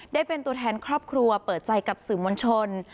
ได้เป็นตัวแทนครอบครัวเปิดใจกับสื่อมวลชน